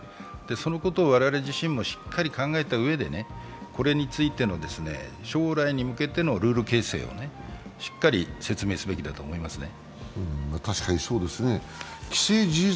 そのことを我々自身もしっかり考えたうえでこれについての将来の向けてのルール形成をしっかり説明すべきだと思いますね。